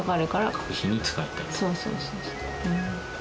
そうそうそうそう。